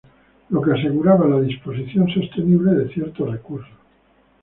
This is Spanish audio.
lo que aseguraba la disposición sostenible de ciertos recursos